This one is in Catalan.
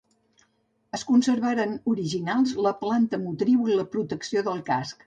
Es conservaren originals la planta motriu i la protecció del casc.